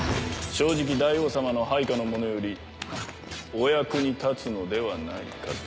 正直大王様の配下の者よりお役に立つのではないかと。